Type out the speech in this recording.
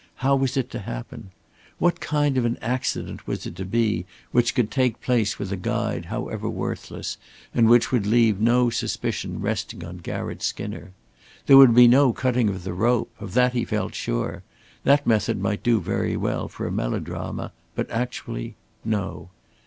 "How was it to happen?" What kind of an accident was it to be which could take place with a guide however worthless, and which would leave no suspicion resting on Garratt Skinner? There would be no cutting of the rope. Of that he felt sure. That method might do very well for a melodrama, but actually no!